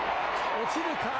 落ちるか？